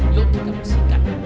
yuk kita bersihkan